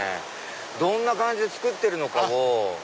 どんな感じで作ってるのかを。